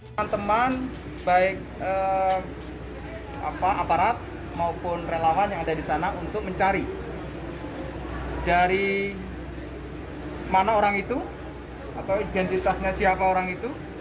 teman teman baik aparat maupun relawan yang ada di sana untuk mencari dari mana orang itu atau identitasnya siapa orang itu